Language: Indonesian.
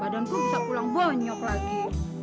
badanku bisa pulang bonyok lagi